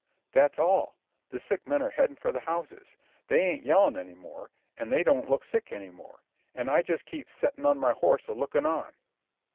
"That's all. The sick men are headin' for the houses. They ain't yellin' any more, an' they don't look sick any more. An' I just keep settin' on my horse a lookin' on."